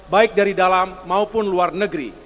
baik dari dalam maupun luar negeri